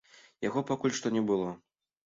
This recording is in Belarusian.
Яго пакуль што не было.